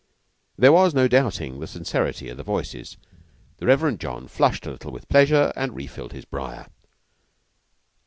There was no doubting the sincerity of the voices. The Reverend John flushed a little with pleasure and refilled his briar.